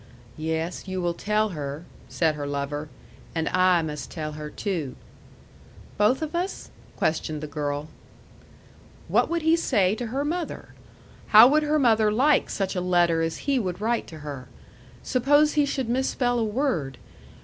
"Yes, you will tell her," said her lover. "And I must tell her too." "Both of us?" questioned the girl. What would he say to her mother? How would her mother like such a letter as he would write to her? Suppose he should misspell a word?